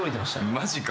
マジか。